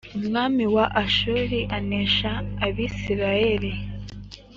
umwami wa ashuri anesha abisirayeli